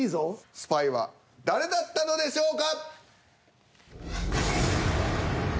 スパイは誰だったのでしょうか？